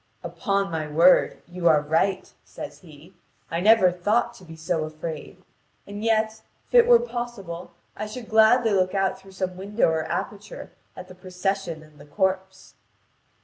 "Upon my word, you are right," says he: "I never thought to be so afraid. And yet, if it were possible I should gladly look out through some window or aperture at the procession and the corpse."